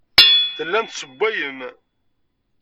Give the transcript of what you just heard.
Tellam tessewwayem.